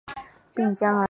并将儿童教养院外迁。